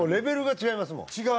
違う？